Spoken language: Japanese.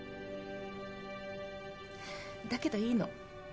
だけどいいの。